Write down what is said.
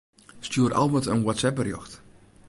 Stjoer Albert in WhatsApp-berjocht.